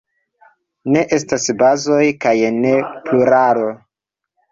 Ne estas kazoj kaj ne pluralo.